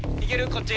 こっち。